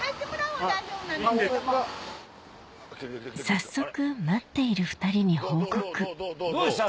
早速待っている２人に報告どうでした？